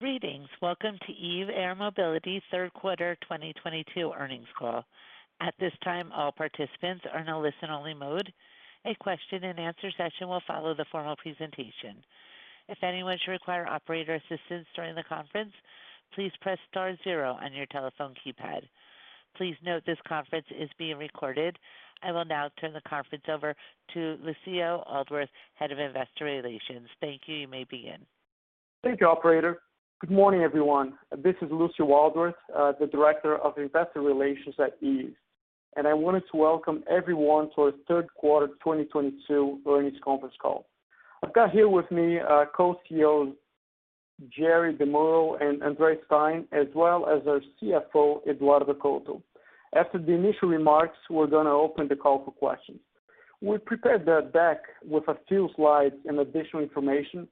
Greetings. Welcome to Eve Air Mobility Third Quarter 2022 Earnings Call. At this time, all participants are in a listen-only mode. A question-and-answer session will follow the formal presentation. If anyone should require operator assistance during the conference, please press star zero on your telephone keypad. Please note this conference is being recorded. I will now turn the conference over to Lucio Aldworth, Head of Investor Relations. Thank you. You may begin. Thank you, operator. Good morning, everyone. This is Lucio Aldworth, the Director of Investor Relations at Eve, and I wanted to welcome everyone to our third quarter 2022 earnings conference call. I've got here with me our co-CEOs, Gerard DeMuro and Andre Stein, as well as our CFO, Eduardo Couto. After the initial remarks, we're going to open the call for questions. We prepared a deck with a few slides and additional information.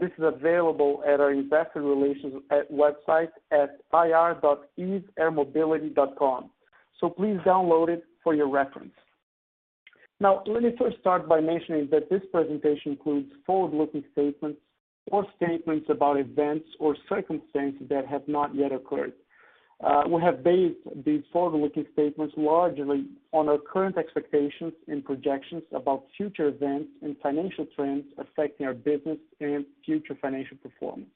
This is available at our investor relations website at ir.eveairmobility.com. Please download it for your reference. Let me first start by mentioning that this presentation includes forward-looking statements or statements about events or circumstances that have not yet occurred. We have based these forward-looking statements largely on our current expectations and projections about future events and financial trends affecting our business and future financial performance.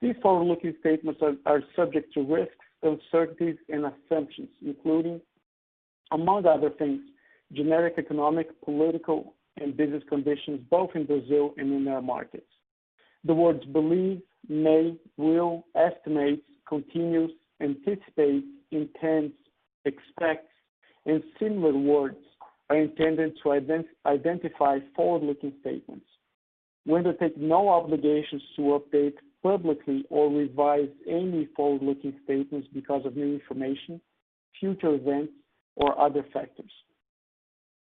These forward-looking statements are subject to risks, uncertainties, and assumptions, including, among other things, generic economic, political, and business conditions, both in Brazil and in our markets. The words believe, may, will, estimate, continues, anticipate, intends, expects, and similar words are intended to identify forward-looking statements. We undertake no obligations to update publicly or revise any forward-looking statements because of new information, future events, or other factors.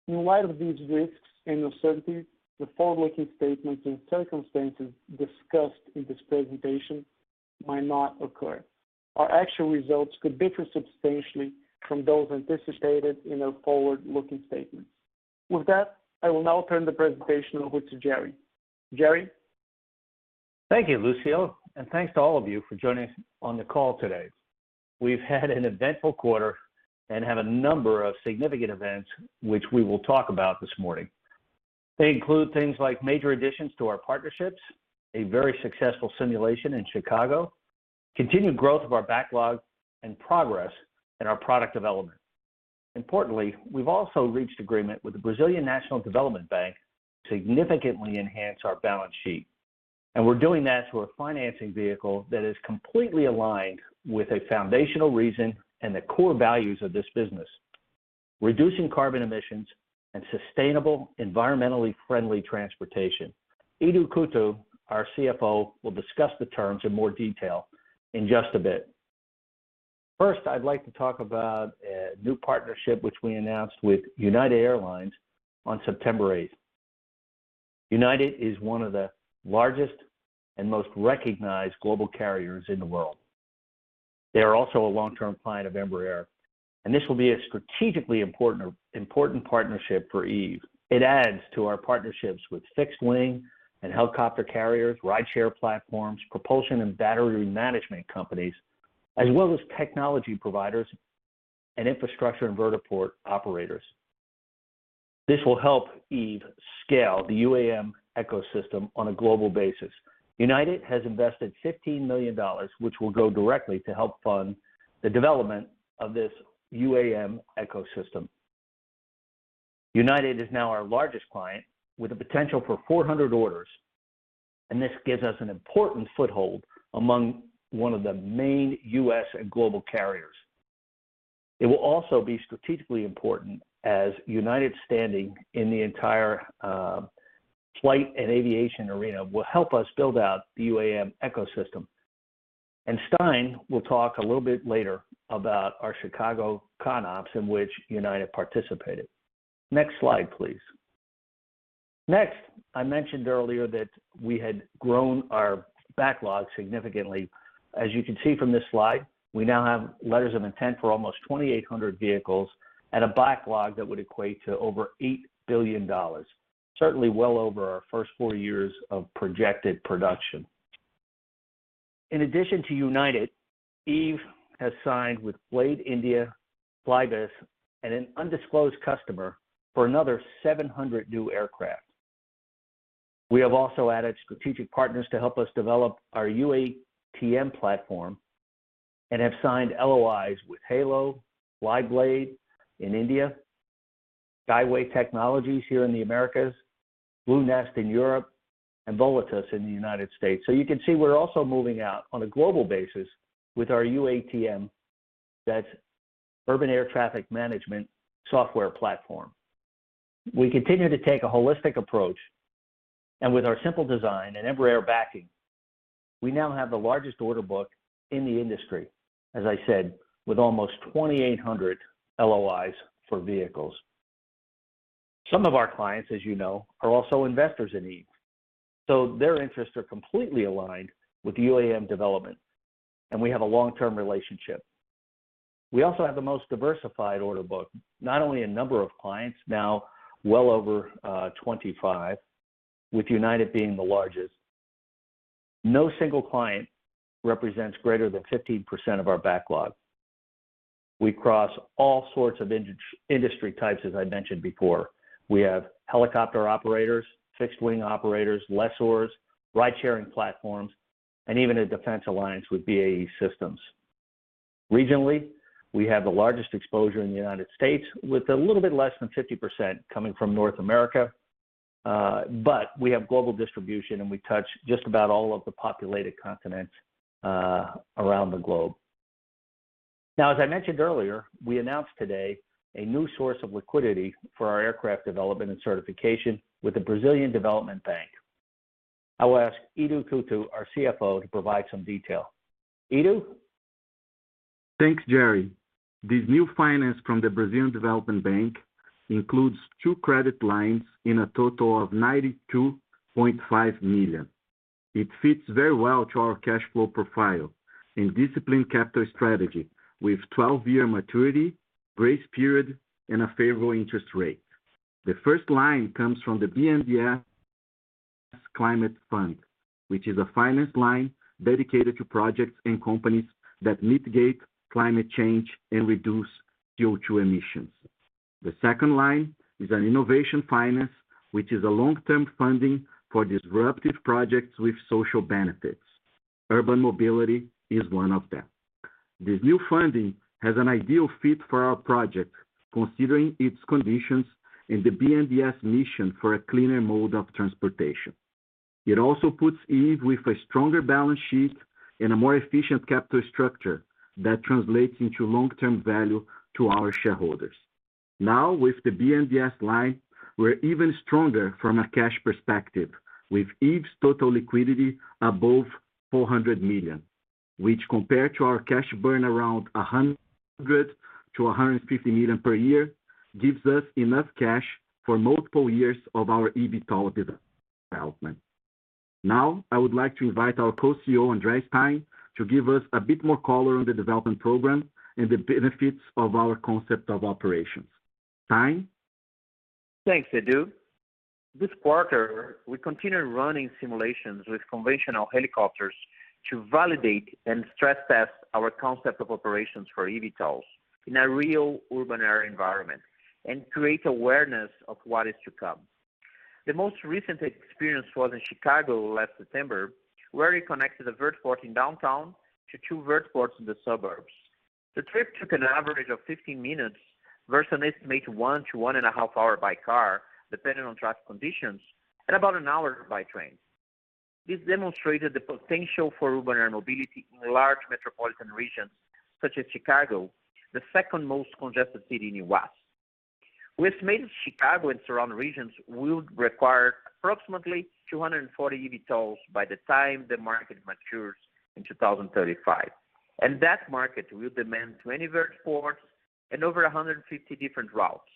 In light of these risks and uncertainties, the forward-looking statements and circumstances discussed in this presentation might not occur. Our actual results could differ substantially from those anticipated in our forward-looking statements. With that, I will now turn the presentation over to Jerry. Jerry? Thank you, Lucio, and thanks to all of you for joining us on the call today. We've had an eventful quarter and have a number of significant events which we will talk about this morning. They include things like major additions to our partnerships, a very successful simulation in Chicago, continued growth of our backlog, and progress in our product development. Importantly, we've also reached agreement with the Brazilian National Development Bank to significantly enhance our balance sheet, and we're doing that through a financing vehicle that is completely aligned with a foundational reason and the core values of this business, reducing carbon emissions and sustainable, environmentally friendly transportation. Edu Couto, our CFO, will discuss the terms in more detail in just a bit. First, I'd like to talk about a new partnership which we announced with United Airlines on September eighth. United is one of the largest and most recognized global carriers in the world. They are also a long-term client of Embraer, and this will be a strategically important partnership for Eve. It adds to our partnerships with fixed wing and helicopter carriers, rideshare platforms, propulsion and battery management companies, as well as technology providers and infrastructure and vertiport operators. This will help Eve scale the UAM ecosystem on a global basis. United has invested $15 million, which will go directly to help fund the development of this UAM ecosystem. United is now our largest client with the potential for 400 orders, and this gives us an important foothold among one of the main US and global carriers. It will also be strategically important as United's standing in the entire flight and aviation arena will help us build out the UAM ecosystem. Andre Stein will talk a little bit later about our Chicago CONOPS in which United participated. Next slide, please. I mentioned earlier that we had grown our backlog significantly. As you can see from this slide, we now have letters of intent for almost 2,800 vehicles at a backlog that would equate to over $8 billion, certainly well over our first four years of projected production. In addition to United, Eve has signed with Blade India, FlyBlade, and an undisclosed customer for another 700 new aircraft. We have also added strategic partners to help us develop our UATM platform and have signed LOIs with Halo Aviation Ltd., FlyBlade India, Skyway Technologies Corp. here in the Americas, Bluenest in Europe, and Volatus Infrastructure, LLC in the United States. You can see we're also moving out on a global basis with our UATM, that's Urban Air Traffic Management software platform. We continue to take a holistic approach, with our simple design and Embraer backing, we now have the largest order book in the industry, as I said, with almost 2,800 LOIs for vehicles. Some of our clients, as you know, are also investors in Eve, so their interests are completely aligned with UAM development, we have a long-term relationship. We also have the most diversified order book, not only in number of clients, now well over 25, with United being the largest. No single client represents greater than 15% of our backlog. We cross all sorts of industry types, as I mentioned before. We have helicopter operators, fixed-wing operators, lessors, ride-sharing platforms, and even a defense alliance with BAE Systems. Regionally, we have the largest exposure in the United States, with a little bit less than 50% coming from North America. We have global distribution, and we touch just about all of the populated continents around the globe. As I mentioned earlier, we announced today a new source of liquidity for our aircraft development and certification with the Brazilian Development Bank. I will ask, our CFO, to provide some detail. Edu? Thanks, Jerry. This new finance from the Brazilian Development Bank includes two credit lines in a total of 92.5 million. It fits very well to our cash flow profile and disciplined capital strategy with 12-year maturity, grace period and a favorable interest rate. The first line comes from the BNDES Climate Fund, which is a finance line dedicated to projects and companies that mitigate climate change and reduce CO₂ emissions. The second line is an innovation finance, which is a long-term funding for disruptive projects with social benefits. Urban mobility is one of them. This new funding has an ideal fit for our project, considering its conditions and the BNDES mission for a cleaner mode of transportation. It also puts Eve with a stronger balance sheet and a more efficient capital structure that translates into long-term value to our shareholders. With the BNDES line, we're even stronger from a cash perspective, with Eve's total liquidity above $400 million, which compared to our cash burn around $100 million-$150 million per year, gives us enough cash for multiple years of our EVTOL development. I would like to invite our Co-CEO, Andre Stein, to give us a bit more color on the development program and the benefits of our Concept of Operations. Stein? Thanks, Edu. This quarter, we continue running simulations with conventional helicopters to validate and stress test our concept of operations for EVTOLs in a real urban area environment and create awareness of what is to come. The most recent experience was in Chicago last September, where we connected a vertiport in downtown to 2 vertiports in the suburbs. The trip took an average of 15 minutes versus an estimated 1 to 1.5 hours by car, depending on traffic conditions, and about 1 hour by train. This demonstrated the potential for urban air mobility in large metropolitan regions such as Chicago, the second most congested city in the U.S. We estimated Chicago and surrounding regions will require approximately 240 EVTOLs by the time the market matures in 2035, and that market will demand 20 vertiports and over 150 different routes.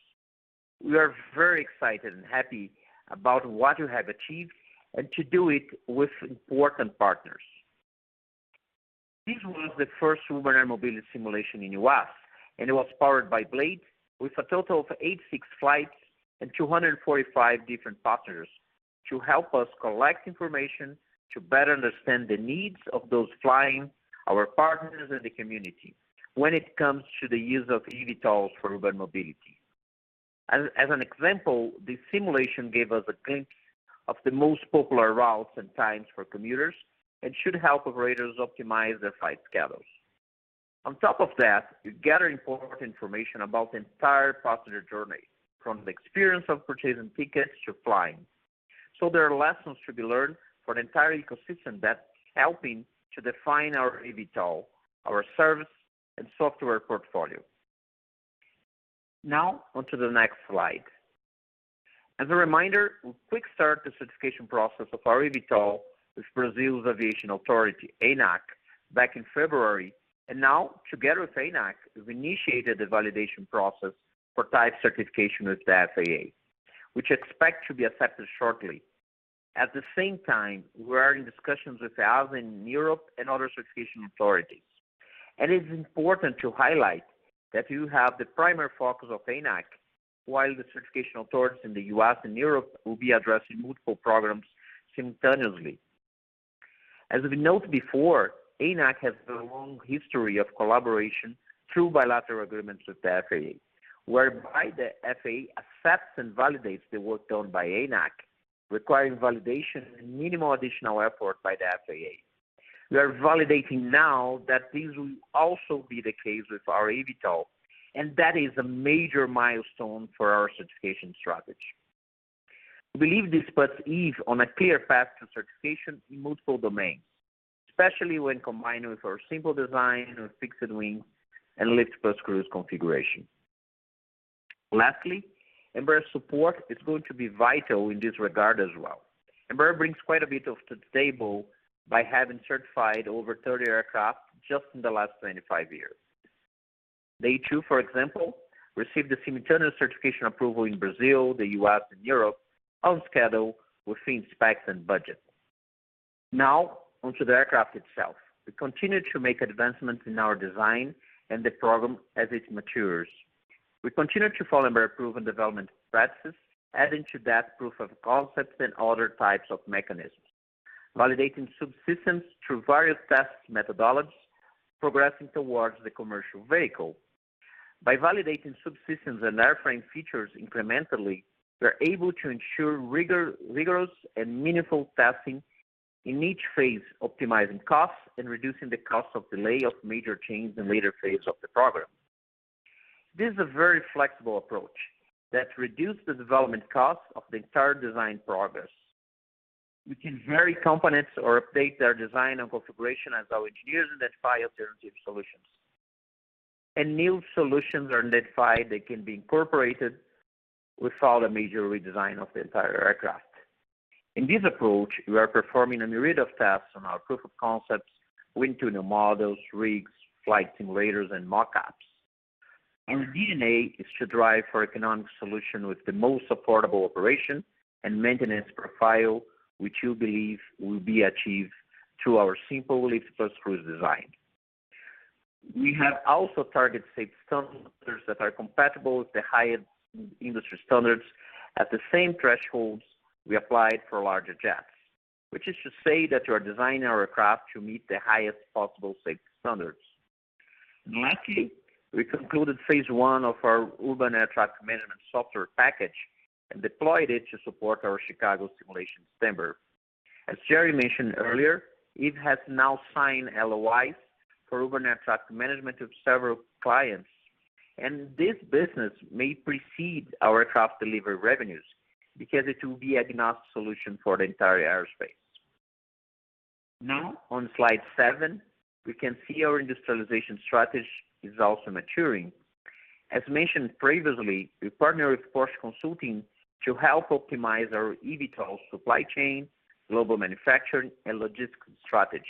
We are very excited and happy about what we have achieved and to do it with important partners. This was the first urban air mobility simulation in U.S., and it was powered by Blade with a total of 86 flights and 245 different partners to help us collect information to better understand the needs of those flying, our partners and the community when it comes to the use of eVTOL for urban mobility. As an example, the simulation gave us a glimpse of the most popular routes and times for commuters and should help operators optimize their flight schedules. On top of that, we gather important information about the entire passenger journey, from the experience of purchasing tickets to flying. There are lessons to be learned for the entire ecosystem that's helping to define our eVTOL, our service and software portfolio. Now on to the next slide. As a reminder, we quick-start the certification process of our eVTOL with Brazil's Aviation Authority, ANAC, back in February, and now, together with ANAC, we've initiated the validation process for type certification with the FAA, which expect to be accepted shortly. At the same time, we are in discussions with EASA in Europe and other certification authorities. It is important to highlight that you have the primary focus of ANAC while the certification authorities in the U.S. and Europe will be addressing multiple programs simultaneously. As we've noted before, ANAC has a long history of collaboration through bilateral agreements with the FAA, whereby the FAA accepts and validates the work done by ANAC, requiring validation and minimal additional effort by the FAA. We are validating now that this will also be the case with our eVTOL. That is a major milestone for our certification strategy. We believe this puts Eve on a clear path to certification in multiple domains, especially when combined with our simple design of fixed wings and lift-plus-cruise configuration. Lastly, Embraer support is going to be vital in this regard as well. Embraer brings quite a bit of to the table by having certified over 30 aircraft just in the last 25 years. type, for example, received a simultaneous certification approval in Brazil, the U.S., and Europe on schedule within specs and budget. Now onto the aircraft itself. We continue to make advancements in our design and the program as it matures. We continue to follow our proven development practices, adding to that proof of concepts and other types of mechanisms, validating subsystems through various test methodologies, progressing towards the commercial vehicle. By validating subsystems and airframe features incrementally, we're able to ensure rigorous and meaningful testing in each phase, optimizing costs and reducing the cost of delay of major changes in later phase of the program. This is a very flexible approach that reduce the development costs of the entire design progress. We can vary components or update their design and configuration as our engineers identify alternative solutions. New solutions are identified that can be incorporated without a major redesign of the entire aircraft. In this approach, we are performing an array of tests on our proof of concepts, wind tunnel models, rigs, flight simulators, and mock-ups. Our DNA is to drive for economic solution with the most affordable operation and maintenance profile, which you believe will be achieved through our simple lift-plus-cruise design. We have also targeted safety standards that are compatible with the highest industry standards at the same thresholds we applied for larger jets. Which is to say that we are designing our aircraft to meet the highest possible safety standards. Lastly, we concluded phase 1 of our urban air traffic management software package and deployed it to support our Chicago simulation in September. As Jerry mentioned earlier, Eve has now signed LOIs for urban air traffic management with several clients, and this business may precede our craft delivery revenues because it will be agnostic solution for the entire aerospace. Now on slide 7, we can see our industrialization strategy is also maturing. As mentioned previously, we partner with Porsche Consulting to help optimize our EVTOL supply chain, global manufacturing, and logistics strategy.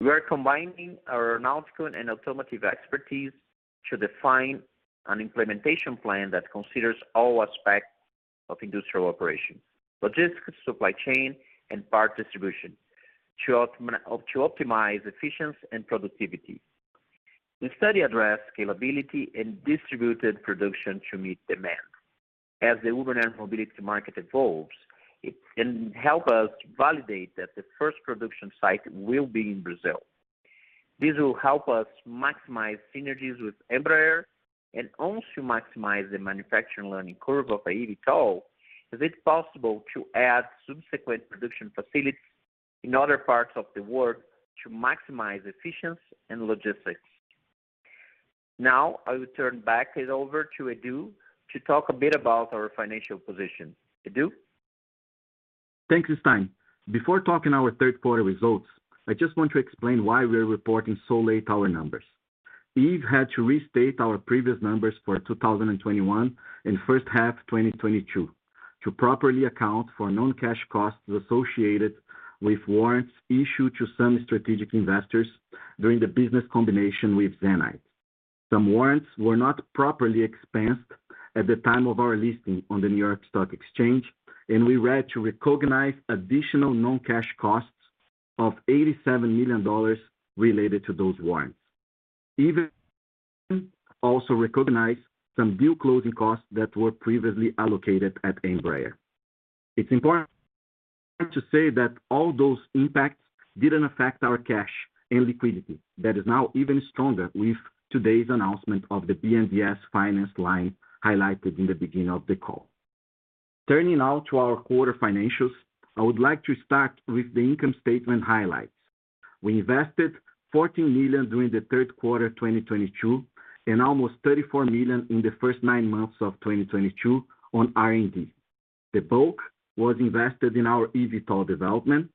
We are combining our aeronautical and automotive expertise to define an implementation plan that considers all aspects of industrial operations, logistics, supply chain, and part distribution to optimize efficiency and productivity. The study addressed scalability and distributed production to meet demand. As the urban air mobility market evolves, it can help us validate that the first production site will be in Brazil. This will help us maximize synergies with Embraer and also maximize the manufacturing learning curve of the EVTOL, as it's possible to add subsequent production facilities in other parts of the world to maximize efficiency and logistics. Now, I will turn back it over to Edu to talk a bit about our financial position. Edu. Thanks you Stein. Before talking our third quarter results, I just want to explain why we're reporting so late our numbers. Eve had to restate our previous numbers for 2021 and first half 2022 to properly account for non-cash costs associated with warrants issued to some strategic investors during the business combination with Zanite. Some warrants were not properly expensed at the time of our listing on the New York Stock Exchange, and we had to recognize additional non-cash costs of $87 million related to those warrants. Eve also recognized some deal closing costs that were previously allocated at Embraer. It's important to say that all those impacts didn't affect our cash and liquidity. That is now even stronger with today's announcement of the BNDES finance line highlighted in the beginning of the call. Turning now to our quarter financials, I would like to start with the income statement highlights. We invested $14 million during the third quarter 2022, and almost $34 million in the first nine months of 2022 on R&D. The bulk was invested in our eVTOL development,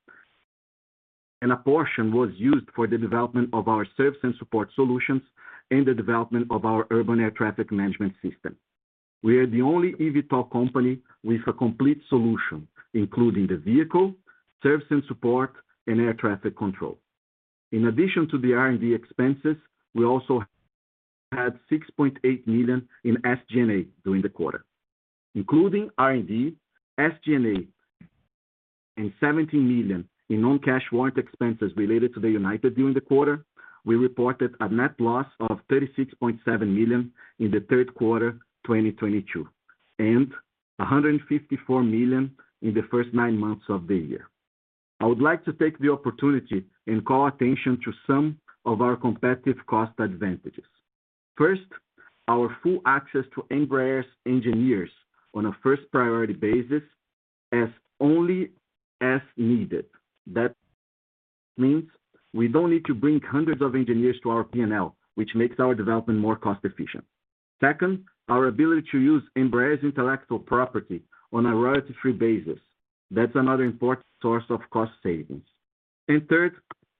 and a portion was used for the development of our service and support solutions and the development of our urban air traffic management system. We are the only eVTOL company with a complete solution, including the vehicle, service and support, and air traffic control. In addition to the R&D expenses, we also had $6.8 million in SG&A during the quarter. Including R&D, SG&A, and $17 million in non-cash warrant expenses related to the United during the quarter, we reported a net loss of $36.7 million in the third quarter 2022, and $154 million in the first nine months of the year. I would like to take the opportunity and call attention to some of our competitive cost advantages. First, our full access to Embraer's engineers on a first priority basis as only as needed. That means we don't need to bring hundreds of engineers to our P&L, which makes our development more cost efficient. Second, our ability to use Embraer's intellectual property on a royalty-free basis. That's another important source of cost savings. Third,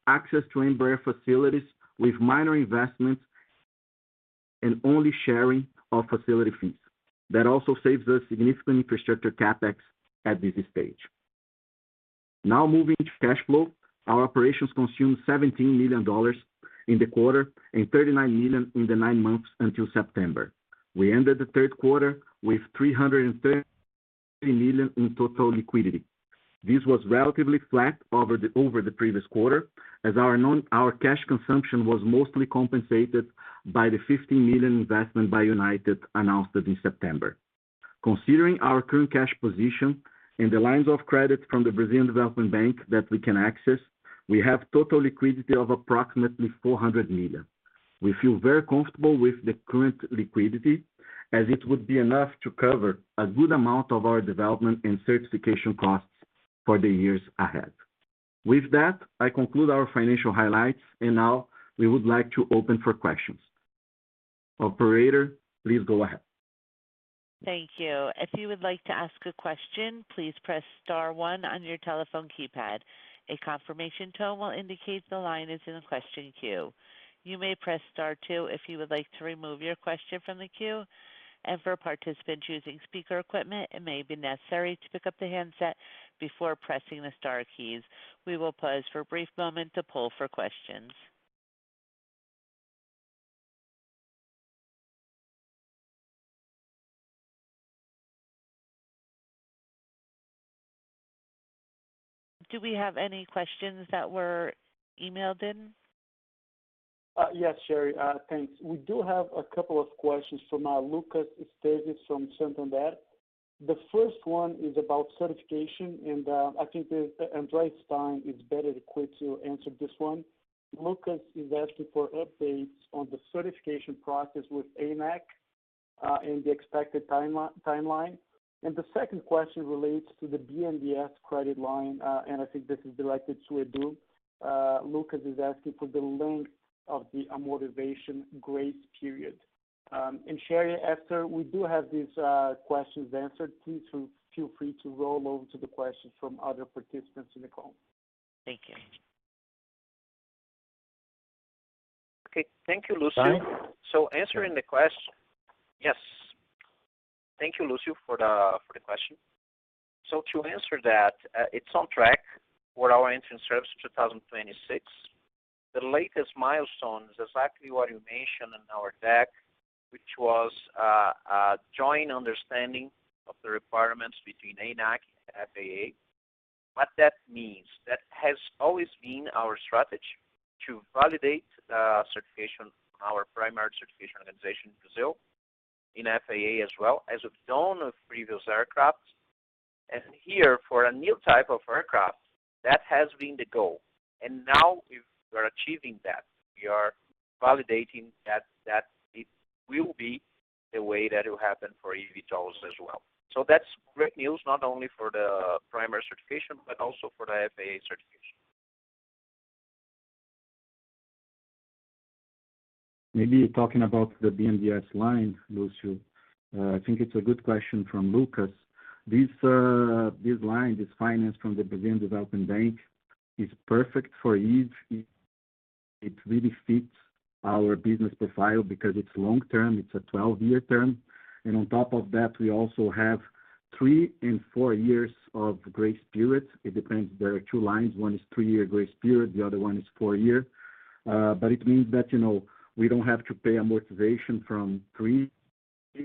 access to Embraer facilities with minor investments and only sharing of facility fees. That also saves us significant infrastructure CapEx at this stage. Moving to cash flow. Our operations consumed $17 million in the quarter and $39 million in the nine months until September. We ended the third quarter with $330 million in total liquidity. This was relatively flat over the previous quarter, as our cash consumption was mostly compensated by the $50 million investment by United announced in September. Considering our current cash position and the lines of credit from the Brazilian Development Bank that we can access, we have total liquidity of approximately $400 million. We feel very comfortable with the current liquidity as it would be enough to cover a good amount of our development and certification costs for the years ahead. Now we would like to open for questions. Operator, please go ahead. Thank you. If you would like to ask a question, please press star one on your telephone keypad. A confirmation tone will indicate the line is in the question queue. You may press star two if you would like to remove your question from the queue. For participants using speaker equipment, it may be necessary to pick up the handset before pressing the star keys. We will pause for a brief moment to poll for questions. Do we have any questions that were emailed in? Yes, Sherry. Thanks. We do have a couple of questions from Lucas Esteves from Santander. The first one is about certification. I think Andre Stein is better equipped to answer this one. Lucas is asking for updates on the certification process with ANAC and the expected timeline. The second question relates to the BNDES credit line and I think this is directed to Edu. Lucas is asking for the length of the amortization grace period. Sherry, after we do have these questions answered, please feel free to roll over to the questions from other participants in the call. Thank you. Okay. Thank you, Lucio. Yes. Thank you, Lucio, for the question. To answer that, it's on track for our entrance service 2026. The latest milestone is exactly what you mentioned in our deck, which was a joint understanding of the requirements between ANAC and FAA. What that means, that has always been our strategy to validate certification, our primary certification organization in Brazil, in FAA as well, as of zone of previous aircraft. Here for a new type of aircraft, that has been the goal. Now we're achieving that. We are validating that it will be the way that it will happen for eVTOLs as well. That's great news, not only for the primary certification, but also for the FAA certification. Maybe talking about the BNDES line, Lucio, I think it's a good question from Lucas. This, this line, this finance from the Brazilian Development Bank is perfect for each. It really fits our business profile because it's long-term, it's a 12-year term. On top of that, we also have three and four years of grace period. It depends, there are two lines. One is three-year grace period, the other one is four-year. It means that, you know, we don't have to pay amortization from three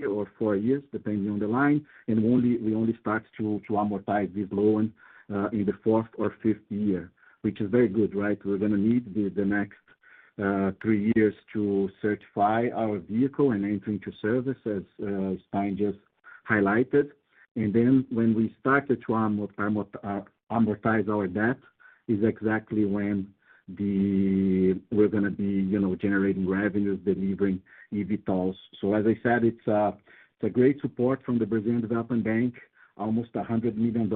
or four years, depending on the line, we only start to amortize this loan in the fourth or sixth year, which is very good, right? We're gonna need the next 3 years to certify our vehicle and entering to service as Stein just highlighted. When we start to amortize our debt is exactly when we're gonna be, you know, generating revenues, delivering eVTOLs. As I said, it's a great support from the Brazilian Development Bank, almost $100 million,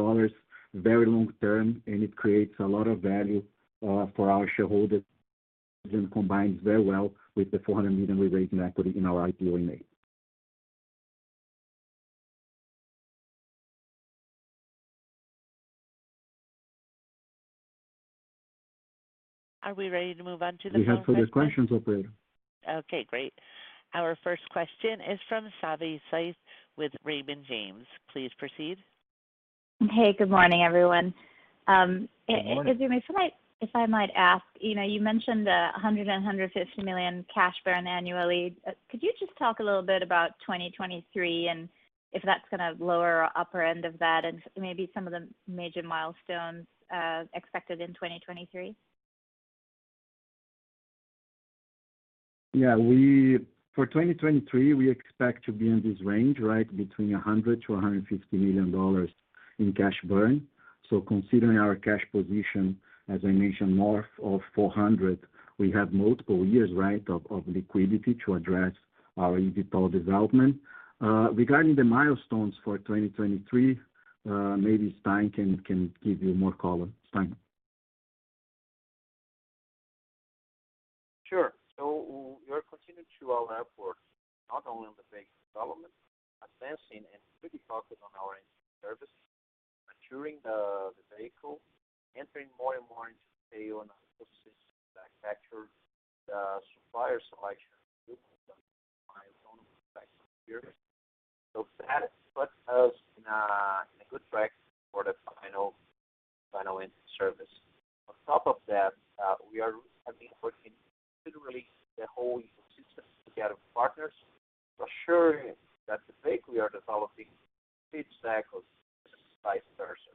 very long-term, and it creates a lot of value for our shareholders. Combines very well with the $400 million we raised in equity in our IPO in May. Are we ready to move on to the phone questions? We have further questions, operator. Okay, great. Our first question is from Savanthi Syth with Raymond James. Please proceed. Hey, good morning, everyone. If I might ask, you know, you mentioned $150 million cash burn annually. Could you just talk a little bit about 2023 and if that's gonna lower or upper end of that and maybe some of the major milestones expected in 2023? Yeah. For 2023, we expect to be in this range, right, between $100 million-$150 million in cash burn. Considering our cash position, as I mentioned, north of $400 million, we have multiple years, right, of liquidity to address our eVTOL development. Regarding the milestones for 2023, maybe Stein can give you more color. Stein. Sure. We're continuing to our efforts, not only on the base development, advancing and fully focused on our entry service, maturing the vehicle, entering more and more into type certification on ecosystem manufacture, supplier selection milestones. Final, final end service. On top of that, we have been working literally the whole ecosystem together with partners to assure that the vehicle we are developing fits that customer's size person.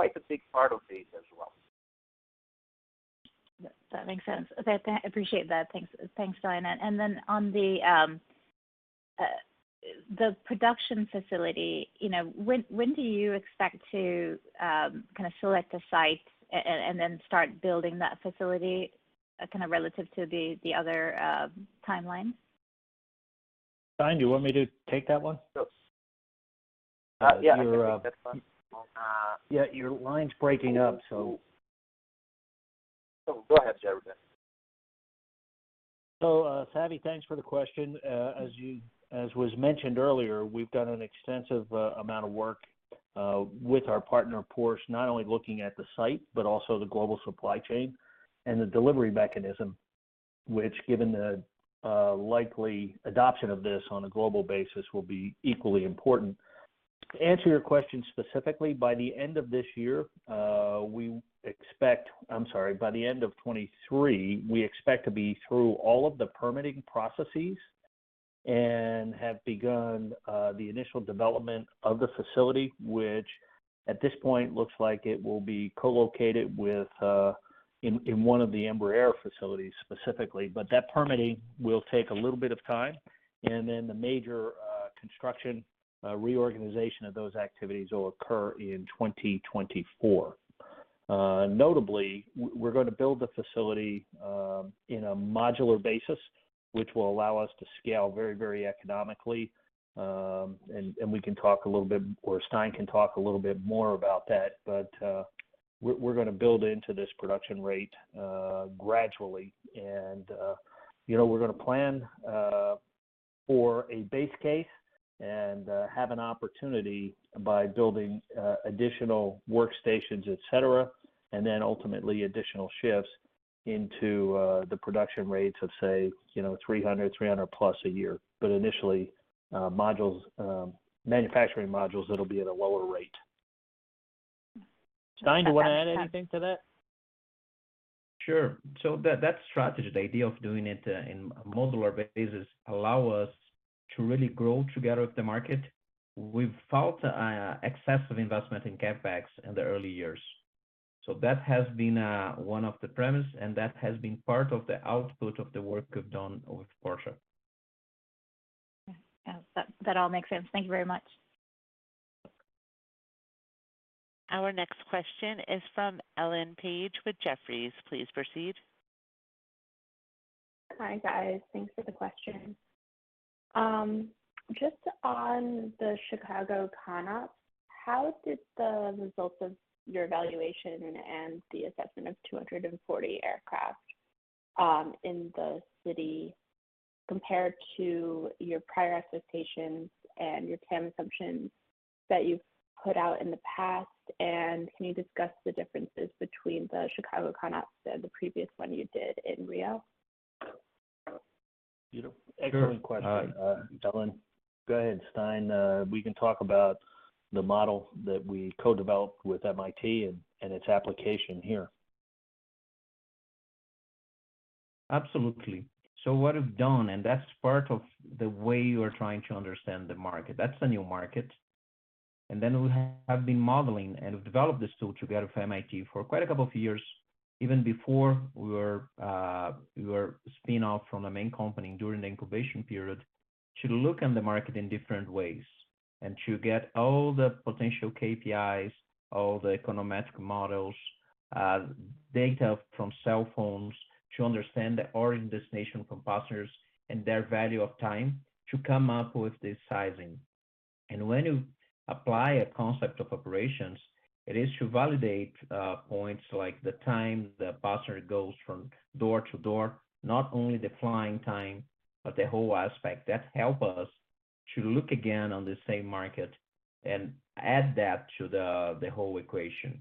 That's a quite a big part of this as well. That makes sense. Okay. appreciate that. Thanks, thanks, Stein. Then on the production facility, you know, when do you expect to kind of select a site and then start building that facility, kind of relative to the other timeline? Stein, do you want me to take that one? Sure. Yeah, I think that's fine. Your. Uh. Yeah, your line's breaking up, so... Go ahead, Gerard. Savi, thanks for the question. As was mentioned earlier, we've done an extensive amount of work with our partner, Porsche, not only looking at the site, but also the global supply chain and the delivery mechanism, which given the likely adoption of this on a global basis will be equally important. To answer your question specifically, by the end of 2023, we expect to be through all of the permitting processes and have begun the initial development of the facility, which at this point looks like it will be co-located with in one of the Embraer facilities specifically. That permitting will take a little bit of time, and then the major construction reorganization of those activities will occur in 2024. Notably, we're gonna build the facility in a modular basis, which will allow us to scale very economically. And we can talk a little bit, or Stein can talk a little bit more about that. We're gonna build into this production rate gradually and, you know, we're gonna plan for a base case and have an opportunity by building additional workstations, et cetera, and then ultimately additional shifts into the production rates of say, you know, 300 plus a year. Initially, modules, manufacturing modules that'll be at a lower rate. That makes sense. Stein, do you want to add anything to that? Sure. That strategy, the idea of doing it in modular basis allow us to really grow together with the market without excessive investment in CapEx in the early years. That has been one of the premise, and that has been part of the output of the work we've done with Porsche. Yeah. That all makes sense. Thank you very much. You're welcome. Our next question is from Ellen Page with Jefferies. Please proceed. Hi, guys. Thanks for the question. Just on the Chicago CONOPS, how did the results of your evaluation and the assessment of 240 aircraft in the city compare to your prior expectations and your TAM assumptions that you've put out in the past? Can you discuss the differences between the Chicago CONOPS and the previous one you did in Rio? Beautiful. Sure. Excellent question, Ellen. Go ahead, Stein. We can talk about the model that we co-developed with MIT and its application here. Absolutely. What we've done, that's part of the way you are trying to understand the market. That's a new market. We have been modeling and we've developed this tool together with MIT for quite a two years, even before we were spin off from the main company during the incubation period to look in the market in different ways and to get all the potential KPIs, all the econometric models, data from cell phones to understand the origin destination from passengers and their value of time to come up with the sizing. When you apply a concept of operations, it is to validate points like the time the passenger goes from door to door, not only the flying time, but the whole aspect. That help us to look again on the same market and add that to the whole equation.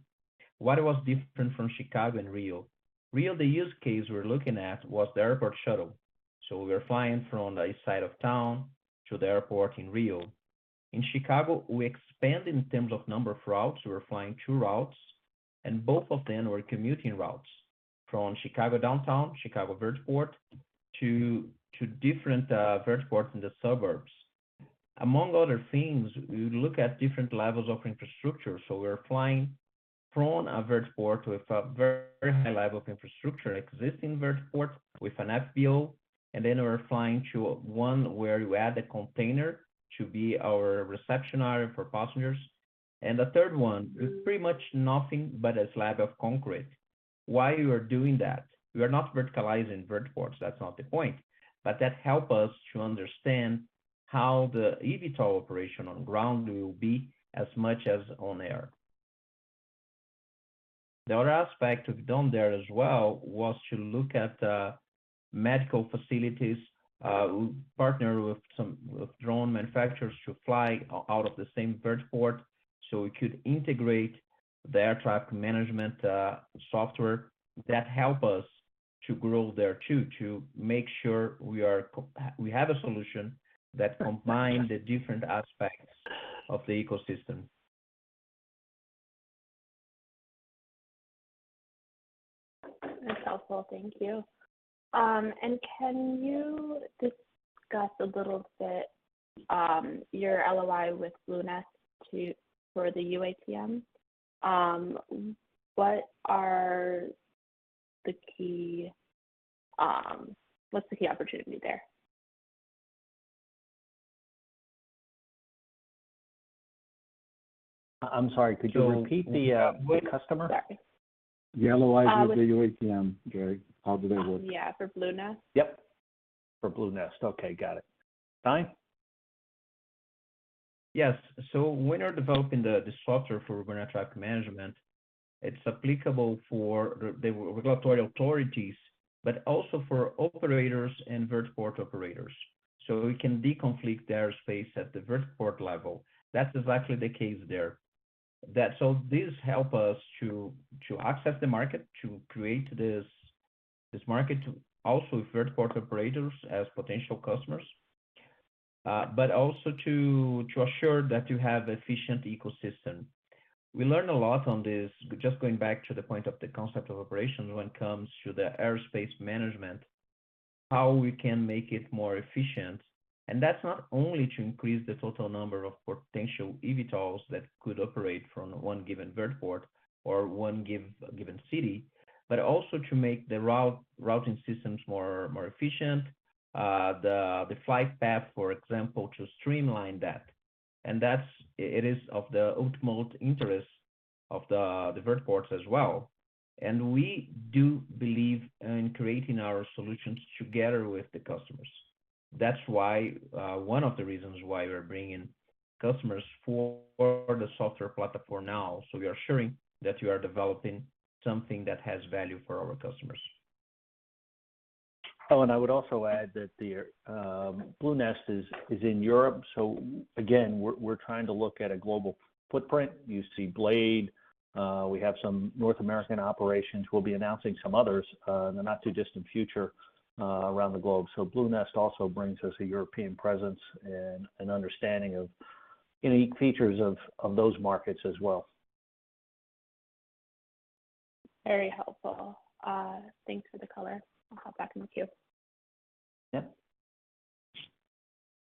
What was different from Chicago and Rio? Rio, the use case we're looking at was the airport shuttle. We are flying from the east side of town to the airport in Rio. In Chicago, we expand in terms of number of routes. We're flying two routes, and both of them were commuting routes from Chicago Downtown, Chicago vertiport to different vertiports in the suburbs. Among other things, we look at different levels of infrastructure. We're flying from a vertiport with a very high level of infrastructure, existing vertiport with an FBO, and then we're flying to one where you add a container to be our reception area for passengers. The third one is pretty much nothing but a slab of concrete. Why you are doing that? We are not verticalizing vertiports, that's not the point, but that help us to understand how the eVTOL operation on ground will be as much as on air. The other aspect we've done there as well was to look at medical facilities, partner with drone manufacturers to fly out of the same vertiport, so we could integrate the air traffic management software that help us to grow there too, to make sure we have a solution that combine the different aspects of the ecosystem. That's helpful. Thank you. Can you discuss a little bit, your LOI with Bluenest for the UATM? What are the key, what's the key opportunity there? I'm sorry, could you repeat the customer? Sorry. LOI for the UATM, Jerry. How do they work? Yeah, for Bluenest. Yep. For Bluenest. Okay, got it. Stein? Yes. When you're developing the software for urban air traffic management, it's applicable for the regulatory authorities, but also for operators and vertiport operators. We can deconflict their space at the vertiport level. That's exactly the case there. This help us to access the market, to create this market, also vertiport operators as potential customers, but also to assure that you have efficient ecosystem. We learn a lot on this, just going back to the point of the concept of operations when it comes to the airspace management, how we can make it more efficient. That's not only to increase the total number of potential eVTOLs that could operate from one given vertiport or one given city, but also to make the routing systems more efficient. The flight path, for example, to streamline that. It is of the utmost interest of the vertiports as well. We do believe in creating our solutions together with the customers. That's why, one of the reasons why we're bringing customers for the software platform now. We are ensuring that we are developing something that has value for our customers. I would also add that the Bluenest is in Europe. Again, we're trying to look at a global footprint. You see Blade. We have some North American operations. We'll be announcing some others in the not too distant future around the globe. Bluenest also brings us a European presence and an understanding of unique features of those markets as well. Very helpful. Thanks for the color. I'll hop back in the queue. Yeah.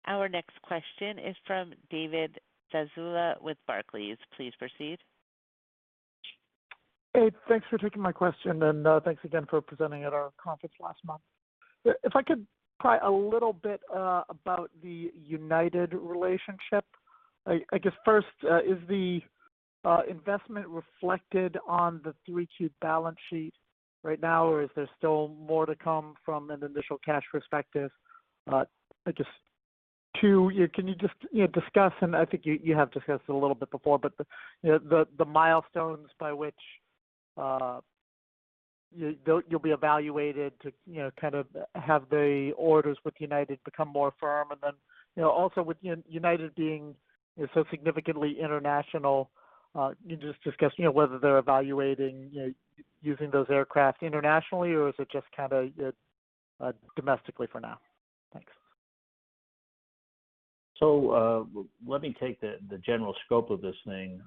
Our next question is from David Zazula with Barclays. Please proceed. Thanks for taking my question, thanks again for presenting at our conference last month. If I could pry a little bit about the United relationship. I guess first, is the investment reflected on the 3Q balance sheet right now, or is there still more to come from an initial cash perspective? two, can you just, you know, discuss, and I think you have discussed it a little bit before, but the, you know, the milestones by which you'll be evaluated to, you know, kind of have the orders with United become more firm? Also with United being so significantly international, can you just discuss, you know, whether they're evaluating, you know, using those aircraft internationally, or is it just kind of domestically for now? Thanks. Let me take the general scope of this thing.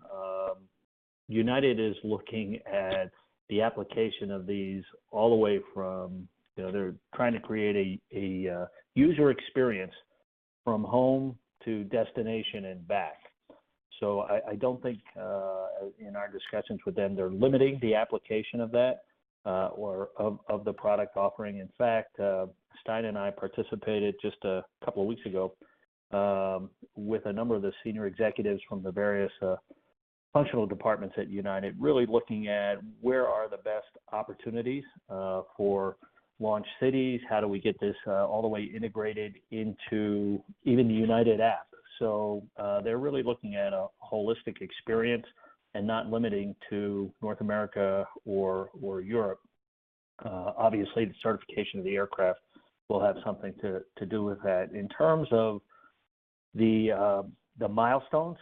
United is looking at the application of these all the way from, you know, they're trying to create a user experience from home to destination and back. I don't think in our discussions with them, they're limiting the application of that or of the product offering. In fact, Andre Stein and I participated just two weeks ago with a number of the senior executives from the various functional departments at United, really looking at where are the best opportunities for launch cities, how do we get this all the way integrated into even the United app. They're really looking at a holistic experience and not limiting to North America or Europe. Obviously, the certification of the aircraft will have something to do with that. In terms of the milestones,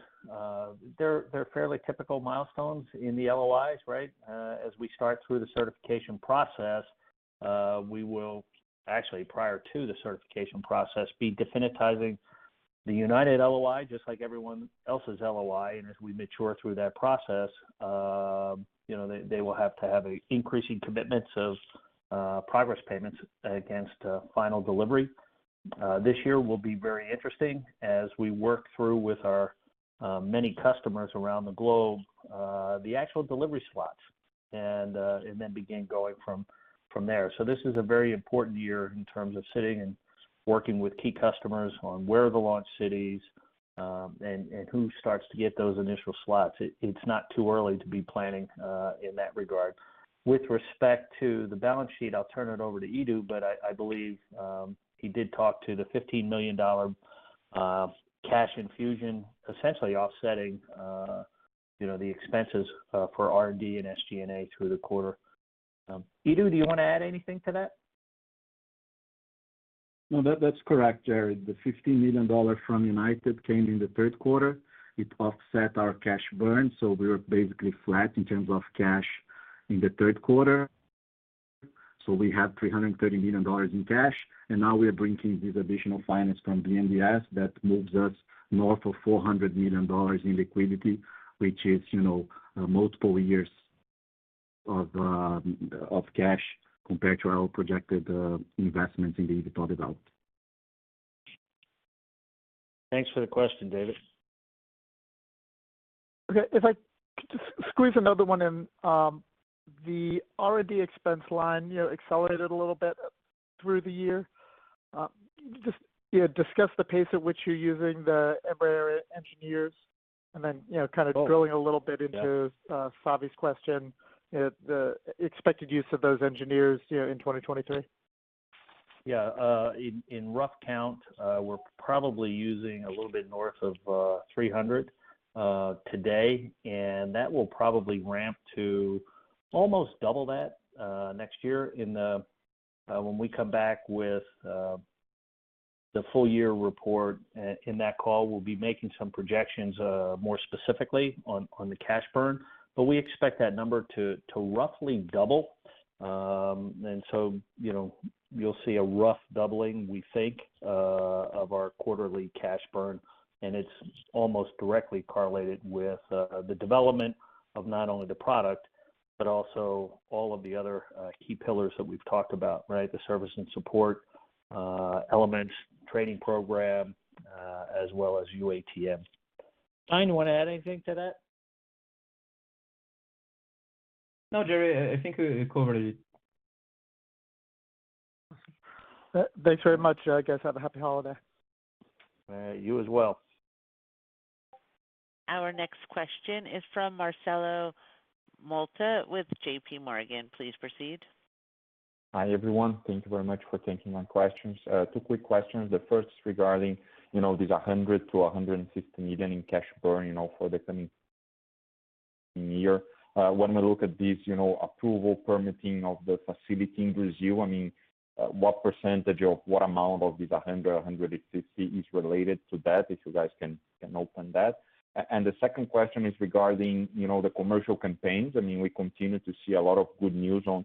they're fairly typical milestones in the LOIs, right? As we start through the certification process, we will actually, prior to the certification process, be definitizing the United LOI just like everyone else's LOI. As we mature through that process, you know, they will have to have increasing commitments of progress payments against final delivery. This year will be very interesting as we work through with our many customers around the globe, the actual delivery slots and then begin going from there. This is a very important year in terms of sitting and working with key customers on where are the launch cities, and who starts to get those initial slots. It's not too early to be planning in that regard. With respect to the balance sheet, I'll turn it over to Edu, but I believe he did talk to the $15 million cash infusion, essentially offsetting, you know, the expenses for R&D and SG&A through the quarter. Edu, do you wanna add anything to that? No, that's correct, Gerard. The $15 million from United came in the third quarter. It offset our cash burn, so we were basically flat in terms of cash in the third quarter. We have $330 million in cash, and now we are bringing this additional finance from BNDES that moves us north of $400 million in liquidity, which is, you know, multiple years of cash compared to our projected investments in the eVTOL development. Thanks for the question, David. Okay. If I could just squeeze another one in. The R&D expense line, you know, accelerated a little bit through the year. Just, you know, discuss the pace at which you're using the Embraer engineers and then, you know, kind of drilling a little bit into, Savi's question, the expected use of those engineers, you know, in 2023. Yeah. In rough count, we're probably using a little bit north of 300 today, and that will probably ramp to almost double that next year when we come back with the full year report. In that call, we'll be making some projections more specifically on the cash burn. We expect that number to roughly double. You know, you'll see a rough doubling, we think, of our quarterly cash burn, and it's almost directly correlated with the development of not only the product, but also all of the other key pillars that we've talked about, right? The service and support elements, training program, as well as UATM. Stein, you wanna add anything to that? No, Jerry, I think we covered it. Thanks very much, guys. Have a happy holiday. All right. You as well. Our next question is from Marcelo Motta with JP Morgan. Please proceed. Hi, everyone. Thank you very much for taking my questions. Two quick questions. The first regarding, you know, these $100 million-$160 million in cash burn, you know, for the coming year. When we look at these, you know, approval permitting of the facility in Brazil, I mean, what percentage of what amount of this $100 million, $160 million is related to that, if you guys can open that? The second question is regarding, you know, the commercial campaigns. I mean, we continue to see a lot of good news on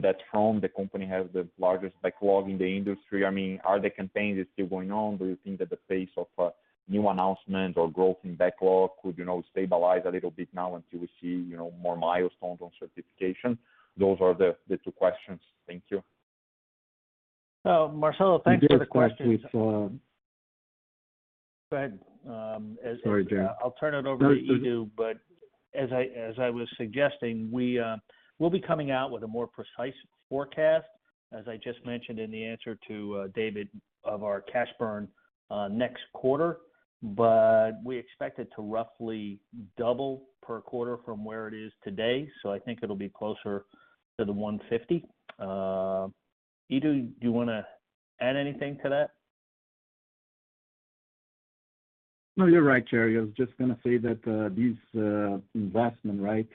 that front. The company has the largest backlog in the industry. I mean, are the campaigns still going on? Do you think that the pace of new announcement or growth in backlog could, you know, stabilize a little bit now until we see, you know, more milestones on certification? Those are the two questions. Thank you. Marcelo, thanks for the question. The first question is? Go ahead. Sorry, Jerry. I'll turn it over to Edu, as I was suggesting, we'll be coming out with a more precise forecast, as I just mentioned in the answer to David of our cash burn, next quarter. We expect it to roughly double per quarter from where it is today. I think it'll be closer to the $150. Edu, do you wanna add anything to that? No, you're right, Jerry. I was just gonna say that this investment, right,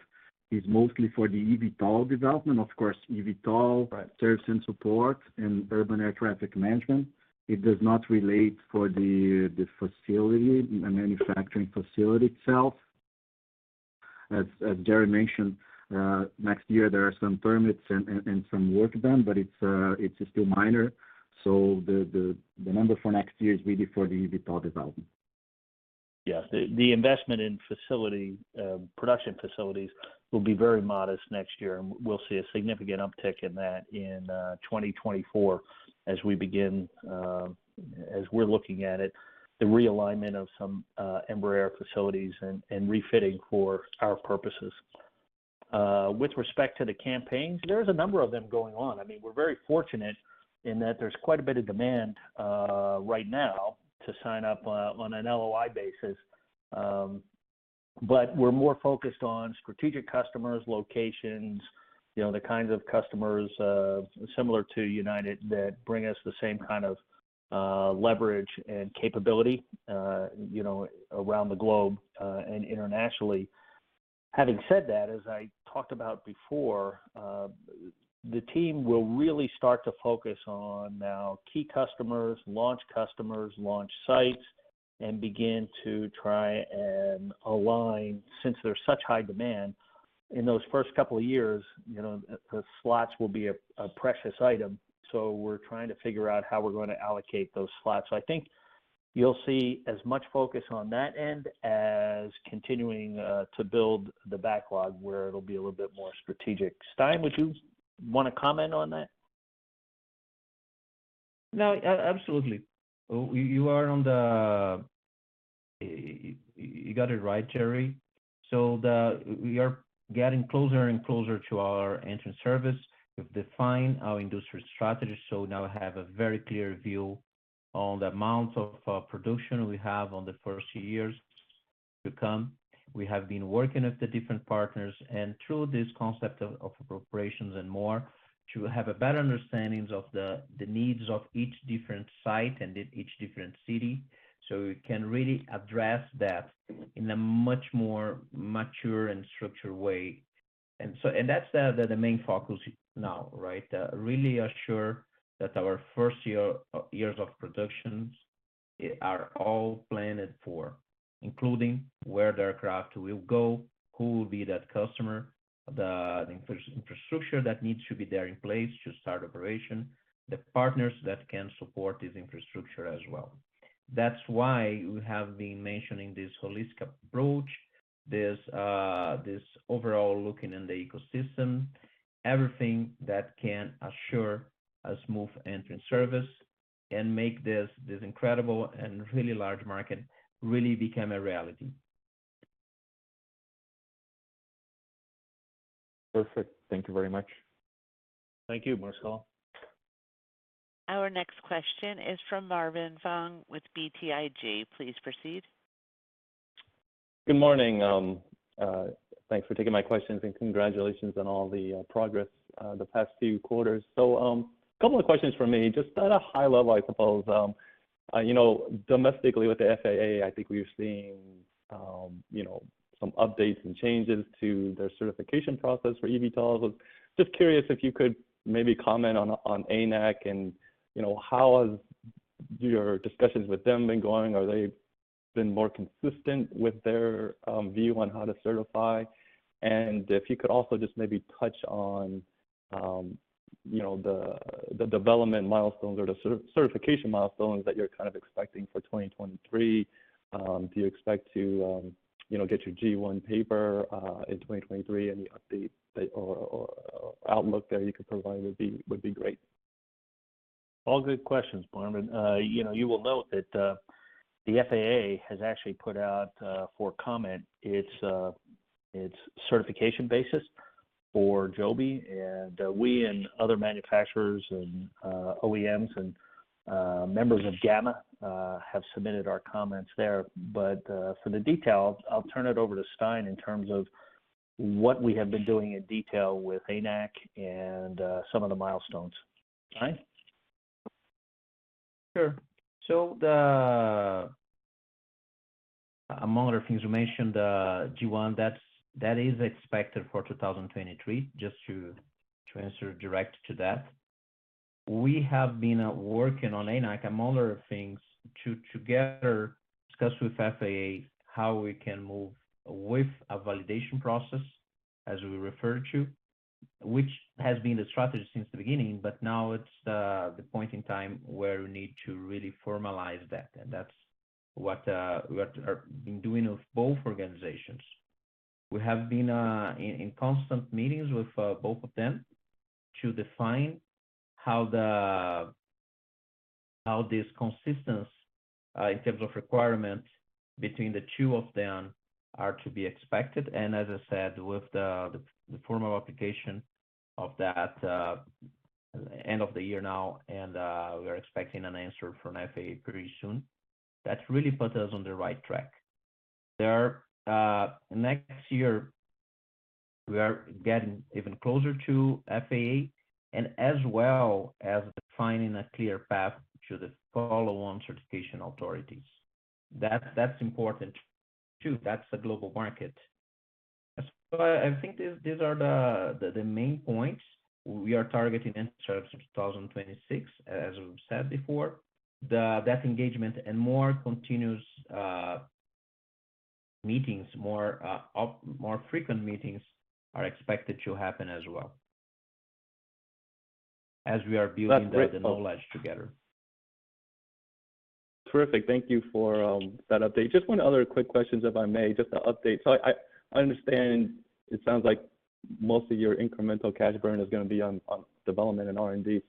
is mostly for the eVTOL development. Right... service and support and urban air traffic management. It does not relate for the facility, the manufacturing facility itself. As Jerry mentioned, next year there are some permits and some work done, but it's still minor. The number for next year is really for the eVTOL development. Yes. The investment in facility production facilities will be very modest next year, and we'll see a significant uptick in that in 2024 as we begin, as we're looking at it, the realignment of some Embraer facilities and refitting for our purposes. With respect to the campaigns, there's a number of them going on. I mean, we're very fortunate in that there's quite a bit of demand right now to sign up on an LOI basis. We're more focused on strategic customers, locations, you know, the kinds of customers similar to United that bring us the same kind of leverage and capability, you know, around the globe and internationally. Having said that, as I talked about before, the team will really start to focus on now key customers, launch customers, launch sites, and begin to try and align. Since there's such high demand in those first couple of years, you know, the slots will be a precious item. We're trying to figure out how we're gonna allocate those slots. I think you'll see as much focus on that end as continuing to build the backlog, where it'll be a little bit more strategic. Stein, would you wanna comment on that? No, absolutely. You are on the... You got it right, Jerry. We are getting closer and closer to our entrance service. We've defined our industry strategy, so now we have a very clear view on the amount of production we have on the first years to come. We have been working with the different partners and through this concept of operations and more to have a better understandings of the needs of each different site and in each different city, so we can really address that in a much more mature and structured way. That's the main focus now, right? Really assure that our first year, years of productions are all planned for, including where the aircraft will go, who will be that customer, the infrastructure that needs to be there in place to start operation, the partners that can support this infrastructure as well. That's why we have been mentioning this holistic approach, this overall looking in the ecosystem, everything that can assure a smooth entrance service and make this incredible and really large market really become a reality. Perfect. Thank you very much. Thank you, Marcial. Our next question is from Marvin Fong with BTIG. Please proceed. Good morning. Thanks for taking my questions, and congratulations on all the progress the past few quarters. A couple of questions from me, just at a high level, I suppose. You know, domestically with the FAA, I think we're seeing, you know, some updates and changes to their certification process for EVTOLs. Just curious if you could maybe comment on ANAC and, you know, how has your discussions with them been going? Are they been more consistent with their view on how to certify? If you could also just maybe touch on, you know, the development milestones or the certification milestones that you're kind of expecting for 2023. Do you expect to, you know, get your G1 paper in 2023? Any update or outlook there you could provide would be great. All good questions, Marvin. You know, you will note that the FAA has actually put out for comment its certification basis for Joby, and we and other manufacturers and OEMs and members of GAMA have submitted our comments there. For the details, I'll turn it over to Stein in terms of what we have been doing in detail with ANAC and some of the milestones. Stein? Sure. Among other things, you mentioned G1. That is expected for 2023, just to answer direct to that. We have been working on ANAC, among other things, to together discuss with FAA how we can move with a validation process, as we refer to, which has been the strategy since the beginning, but now it's the point in time where we need to really formalize that. That's what been doing with both organizations. We have been in constant meetings with both of them to define how this consistency in terms of requirements between the two of them are to be expected. As I said, with the formal application of that end of the year now, we are expecting an answer from FAA pretty soon. That really puts us on the right track. There, next year we are getting even closer to FAA and as well as defining a clear path to the follow-on certification authorities. That's important too. That's a global market. I think these are the main points. We are targeting end of 2026, as we've said before. That engagement and more continuous meetings, more frequent meetings are expected to happen as well as we are building the knowledge together. Terrific. Thank you for that update. Just one other quick questions, if I may, just to update. I understand it sounds like most of your incremental cash burn is gonna be on development and R&D.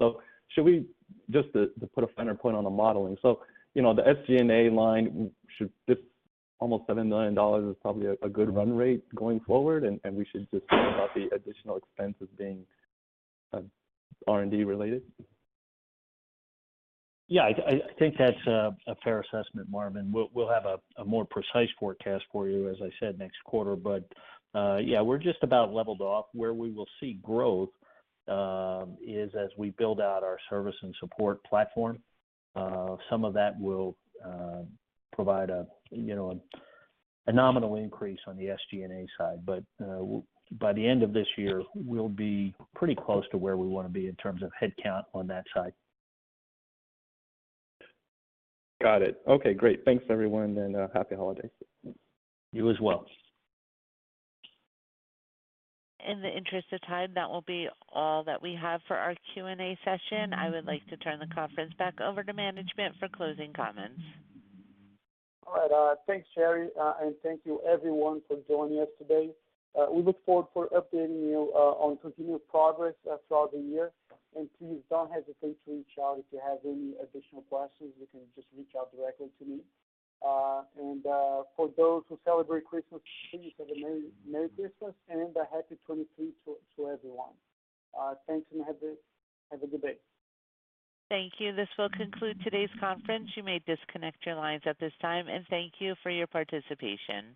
Just to put a finer point on the modeling. You know, the SG&A line. This almost $7 million is probably a good run rate going forward, and we should just think about the additional expenses being R&D related? Yeah, I think that's a fair assessment, Marvin. We'll have a more precise forecast for you, as I said, next quarter. Yeah, we're just about leveled off. Where we will see growth is as we build out our service and support platform. Some of that will provide, you know, a nominal increase on the SG&A side. By the end of this year, we'll be pretty close to where we wanna be in terms of headcount on that side. Got it. Okay, great. Thanks everyone, and happy holidays. You as well. In the interest of time, that will be all that we have for our Q&A session. I would like to turn the conference back over to management for closing comments. All right. Thanks, Sherry, and thank you everyone for joining us today. We look forward for updating you on continued progress throughout the year. Please don't hesitate to reach out if you have any additional questions. You can just reach out directly to me. For those who celebrate Christmas, please have a Merry Christmas and a happy 2023 to everyone. Thanks and have a good day. Thank you. This will conclude today's conference. You may disconnect your lines at this time, and thank you for your participation.